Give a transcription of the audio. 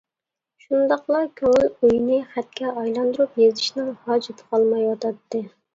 شۇنداقلا كۆڭۈل ئويىنى خەتكە ئايلاندۇرۇپ يېزىشنىڭ ھاجىتى قالمايۋاتاتتى.